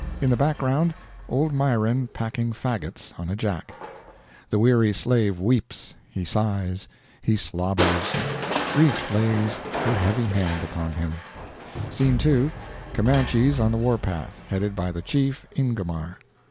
In the background, old Myron packing faggots on a jack. The weary slave weeps—he sighs—he slobbers. Grief lays her heavy hand upon him. Scene 2.—Comanches on the war path, headed by the chief, Ingomar.